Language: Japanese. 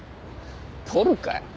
取るかよ。